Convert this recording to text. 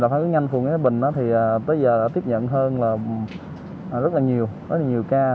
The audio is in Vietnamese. tổ phản ứng nhanh phù hợp với bệnh thì tới giờ tiếp nhận hơn là rất là nhiều rất là nhiều ca